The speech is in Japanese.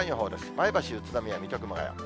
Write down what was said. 前橋、宇都宮、水戸、熊谷。